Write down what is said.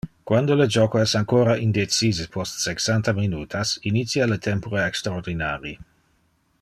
Quando le joco es ancora indecise post sexanta minutas, initia le tempore extraordinari.